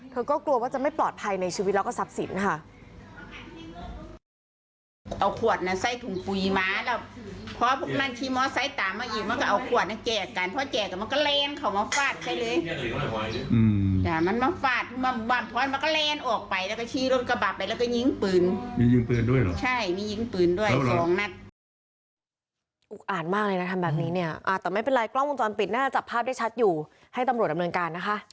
เธอก็กลัวว่าจะไม่ปลอดภัยในชีวิตแล้วก็ทรัพย์สินค่ะ